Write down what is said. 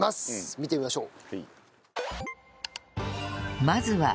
見てみましょう。